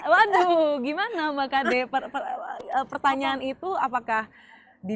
waduh gimana mbak kade pertanyaan itu apakah di dua ribu dua puluh empat